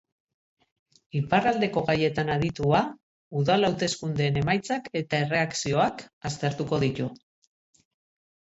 Iparraldeko gaietan aditua, udal hauteskundeen emaitzak eta erreakzioak aztertuko ditu.